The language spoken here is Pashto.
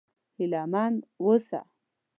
هيله من و اوسه!